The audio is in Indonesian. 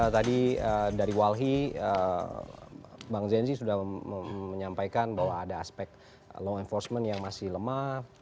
tadi dari walhi bang zenzi sudah menyampaikan bahwa ada aspek law enforcement yang masih lemah